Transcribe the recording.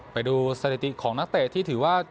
ไปดูสถิติของนักเตะที่ถือว่า